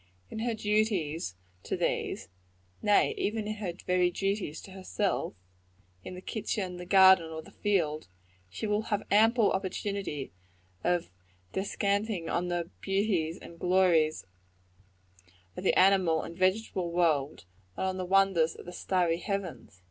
In her duties to these nay, even in her very duties to herself in the kitchen, the garden or the field, she will have ample opportunity of descanting on the beauties and glories of the animal and vegetable world, and on the wonders of the starry heavens.